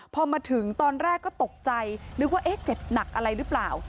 พอมาถึงตอนแรกก็ตกใจนึกว่าเจ็บหนักอะไรหรือเปล่า